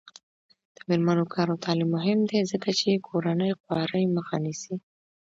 د میرمنو کار او تعلیم مهم دی ځکه چې کورنۍ خوارۍ مخه نیسي.